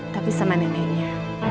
tapi sama neneknya